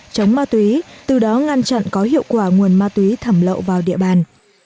chống ma túy từ đó ngăn chặn có hiệu quả nguồn ma túy thẩm lậu vào địa bàn